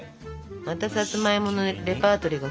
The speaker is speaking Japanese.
またさつまいものレパートリーが増えたね。